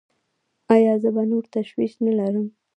ایا زه به نور تشویش نلرم؟